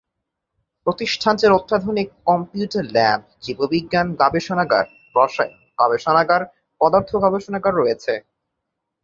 প্রতিষ্ঠানটির অত্যাধুনিক computer lab, জীববিজ্ঞান গবেষণাগার, রসায়ন গবেষণাগার, পদার্থ গবেষণাগার রয়েছে।